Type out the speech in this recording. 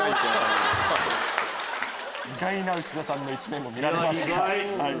意外な内田さんの一面も見られました。